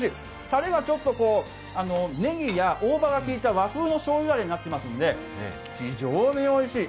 たれが、ねぎや大葉がきいた和風のしょうゆ味になっていますので、非常においしい。